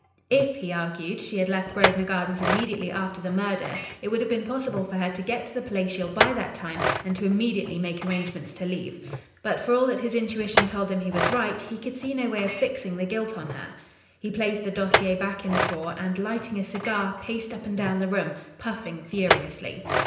If, he argued, she had left Grosvenor Gardens immediately after the murder it would have been possible for her to get to the Palatial by that time and to immediately make arrangements to leave. But for all that his intuition told him he was right, he could see no way of fixing the guilt on her. He placed the dossier back in a drawer and, lighting a cigar, paced up and down the room puffing furiously.